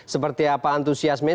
seperti apa antusiasmenya